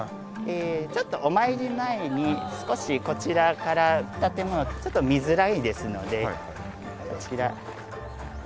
ちょっとお参り前に少しこちらから建物ちょっと見づらいですのでこちら。